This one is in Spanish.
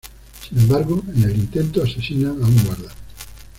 Sin embargo en el intento asesinan a un guarda.